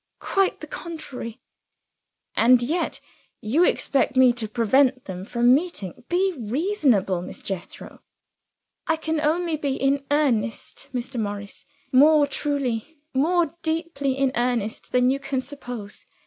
"Quite the contrary." "And yet you expect me to prevent them from meeting! Be reasonable, Miss Jethro." "I can only be in earnest, Mr. Morris more truly, more deeply in earnest than you can suppose.